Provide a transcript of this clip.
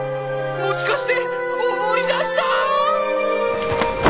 もしかして思い出した！？